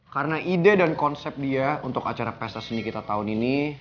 karena ide dan konsep dia untuk acara pesta seni kita tahun ini